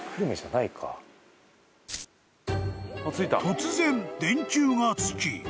［突然電球がつき］